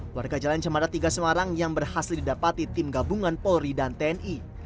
warga jalan cemara tiga semarang yang berhasil didapati tim gabungan polri dan tni